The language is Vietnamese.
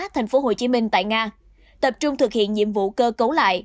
thành phố hồ chí minh tại nga tập trung thực hiện nhiệm vụ cơ cấu lại